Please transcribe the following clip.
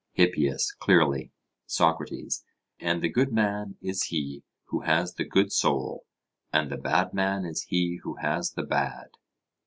HIPPIAS: Clearly. SOCRATES: And the good man is he who has the good soul, and the bad man is he who has the bad?